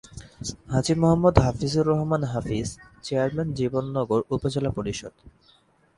Haji Mohammad Hafizur Rahman Hafiz chairman Jibannagar Upazila Parishad.